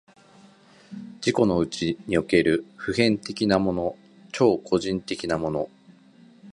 自己のうちにおける普遍的なもの、超個人的なもの、